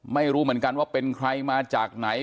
ไม่รู้เหมือนกันว่าเป็นใครมาจากไหน